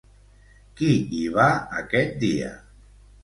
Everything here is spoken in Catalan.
Qui hi va aquest dia?